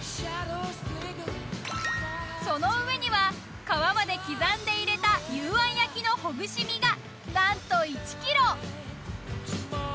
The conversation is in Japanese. その上には皮まで刻んで入れた幽庵焼きのほぐし身がなんと１ｋｇ！